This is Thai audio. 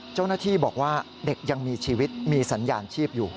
เจ้าหน้าที่บอกว่าเด็กยังมีชีวิตมีสัญญาณชีพอยู่